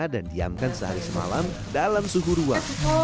dan diamkan sehari semalam dalam suhu ruang